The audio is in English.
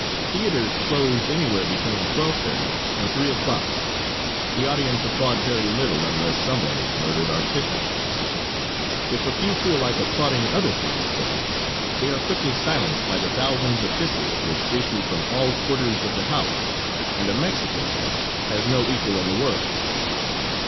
Theaters close anywhere between 12.30 and three o'clock. The audience applaud very little, unless some one is murdered artistically. If a few feel like applauding other fine points, they are quickly silenced by the thousands of hisses which issue from all quarters of the house, and a Mexican hiss has no equal in the world.